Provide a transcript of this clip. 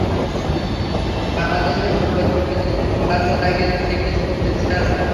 বাংলাদেশই বরং প্রতিপক্ষের দিকে চোখ লাল করে তাকিয়েছে, দেখিয়েছে প্রত্যয়ী চেহারাটা।